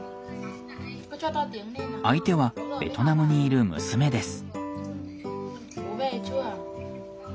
相手はベトナムにいる娘です。